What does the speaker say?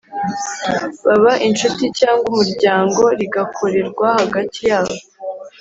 baba inshuti cyangwa umuryango, rigakorerwa hagati yabo